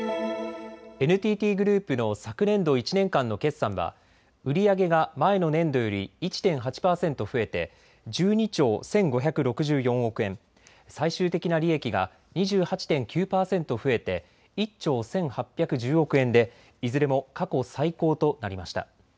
ＮＴＴグループの昨年度１年間の決算は売り上げが前の年度より１．８％増えて１２兆１５６４億円、最終的な利益が２８．９％増えて１兆１８１０億円でいずれも過去最高となりました。